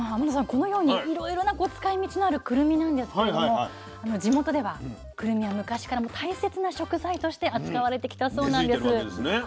このようにいろいろな使いみちのあるくるみなんですけれど地元ではくるみは昔から大切な食材として扱われてきたそうなんです。